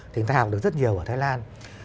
thì chúng ta học được rất nhiều ở thái lan